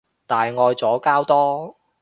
大愛左膠多